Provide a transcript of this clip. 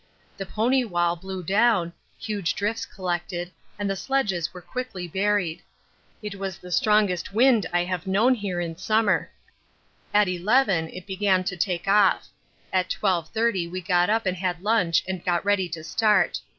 The pony wall blew down, huge drifts collected, and the sledges were quickly buried. It was the strongest wind I have known here in summer. At 11 it began to take off. At 12.30 we got up and had lunch and got ready to start.